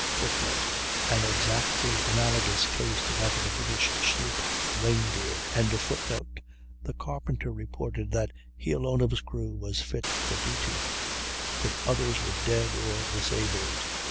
[Footnote: An exactly analogous case to that of the British sloop Reindeer.] The carpenter reported that he alone of his crew was fit for duty; the others were dead or disabled.